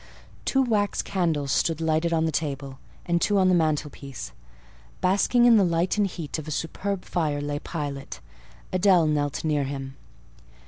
Two wax candles stood lighted on the table, and two on the mantelpiece; basking in the light and heat of a superb fire, lay Pilot—Adèle knelt near him.